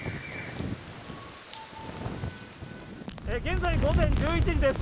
現在午前１１時です。